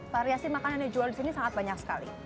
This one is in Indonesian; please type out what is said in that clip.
variasi makanan yang dijual disini sangat banyak sekali